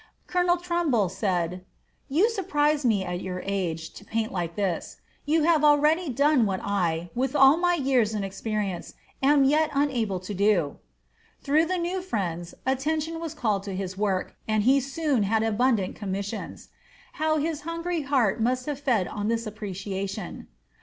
Colonel Trumbull said, "You surprise me, at your age, to paint like this. You have already done what I, with all my years and experience, am yet unable to do." Through the new friends, attention was called to his work, and he soon had abundant commissions. How his hungry heart must have fed on this appreciation!